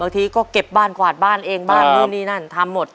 ทีก็เก็บบ้านกวาดบ้านเองบ้านนู่นนี่นั่นทำหมด